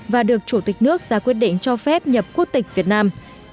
và được chủ tịch nước ra quyết định cho phép nhập quốc tịch việt nam